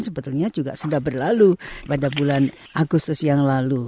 sebetulnya juga sudah berlalu pada bulan agustus yang lalu